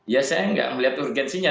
ya saya nggak melihat urgensinya